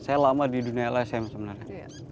saya lama di dunia lsm sebenarnya